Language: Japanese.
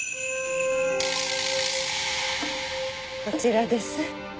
こちらです。